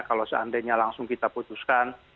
kalau seandainya langsung kita putuskan